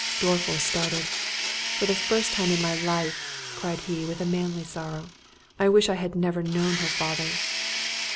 Dorriforth started. "For the first time of my life," cried he with a manly sorrow, "I wish I had never known her father."